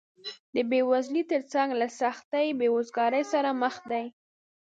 د بېوزلۍ تر څنګ له سختې بېروزګارۍ سره مخ دي